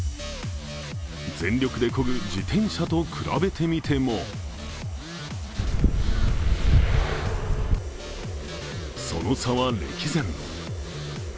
全力でこぐ自転車と比べてみてもその差は歴然。